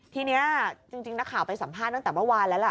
ทีนี้จริงนักข่าวไปสัมภาษณ์ตั้งแต่เมื่อวานแล้วล่ะ